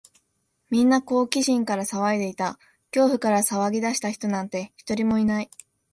みんな好奇心から騒いでいた。恐怖から騒ぎ出した人なんて、一人もいない。